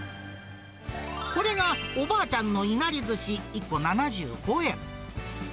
これが、おばあちゃんのいなりずし１個７５円。